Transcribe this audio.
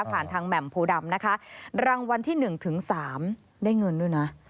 ทางแหม่มโพดำนะคะรางวัลที่๑ถึง๓ได้เงินด้วยนะ